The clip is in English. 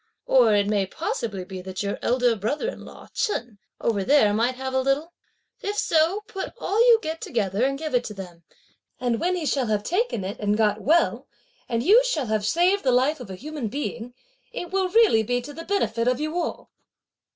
Or it may possibly be that your elder brother in law Chen, over there, might have a little. If so, put all you get together, and give it to them; and when he shall have taken it, and got well and you shall have saved the life of a human being, it will really be to the benefit of you all."